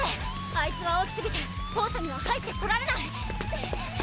あいつは大きすぎて校舎には入ってこられない！